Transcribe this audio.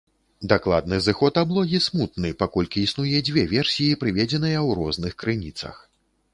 Дакладны зыход аблогі смутны, паколькі існуе дзве версіі, прыведзеныя ў розных крыніцах.